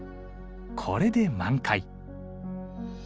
これで満開。